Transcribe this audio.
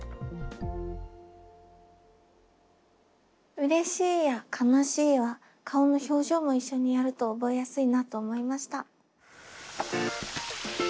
「うれしい」や「悲しい」は顔の表情も一緒にやると覚えやすいなと思いました。